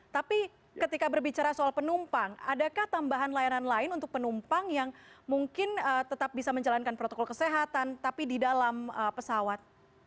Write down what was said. tapi ketika berbicara soal penumpang adakah tambahan layanan lain untuk penumpang yang mungkin tetap bisa menjalankan protokol kesehatan tapi di dalam pesawat